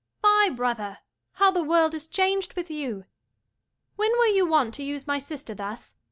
150 Luc. Fie, brother! how the world is changed with you! When were you wont to use my sister thus?